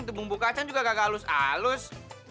itu bumbu kacang juga nggak halus halus